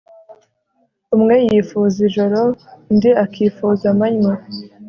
Umwe yifuza ijoro undi akifuza amanywa